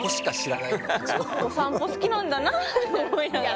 お散歩好きなんだなって思いながら。